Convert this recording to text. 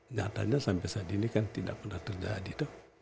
nyatanya sampai saat ini kan tidak pernah terjadi